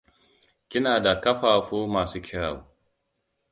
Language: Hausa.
Kina da ƙafafu masu kyau.